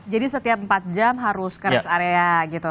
jadi setiap empat jam harus keras area gitu